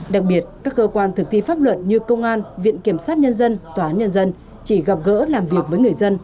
đặc biệt các cơ quan thực thi pháp luật như công an viện kiểm sát nhân dân tòa án nhân dân chỉ gặp gỡ làm việc với người dân